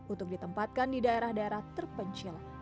untuk ditempatkan di daerah daerah terpencil